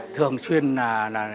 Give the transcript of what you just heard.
thường xuyên là